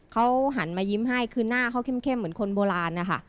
เขาหันมายิ้มให้คือหน้าเขาเข้มเหมือนคนโบราณนะคะ